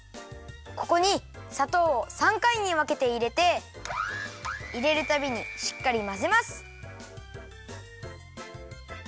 ここにさとうを３かいにわけていれていれるたびにしっかりまぜます！